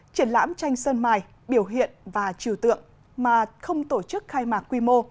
triển lãm tranh sơn mài biểu hiện và trừ tượng mà không tổ chức khai mạc quy mô